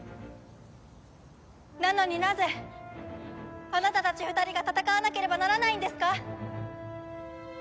なのになぜあなたたち２人が戦わなければならないんですか？